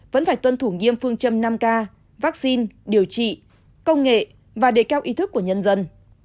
vẫn phải tuân thủ nghiêm phương châm năm k vaccine điều trị công nghệ và đề cao ý thức của nhân dân